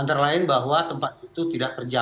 antara lain bahwa tempat itu terlihat tidak berbeda